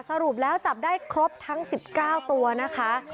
สรุปแล้วจับได้ครบทั้ง๑๙ตัวนะคะ